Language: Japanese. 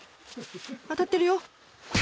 当たってるよ。